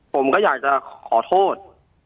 ผมก็อยากจะขอโทษ